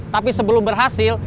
tapi sebelum berhasil